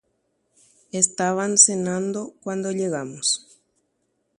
Okarujoa hikuái hína ore rog̃uahẽramoguare.